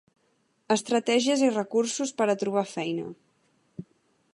Estratègies i recursos per a trobar feina.